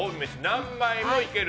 何枚でもいける！